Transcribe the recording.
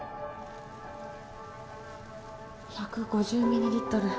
１５０ミリリットル。